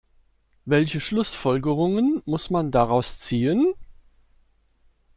Welche Schlussfolgerungen muss man daraus ziehen?